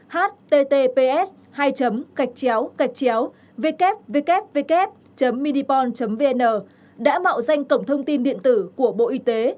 https hai www minipon vn đã mạo danh cổng thông tin điện tử của bộ y tế